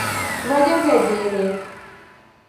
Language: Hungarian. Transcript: Vagy az egyénét.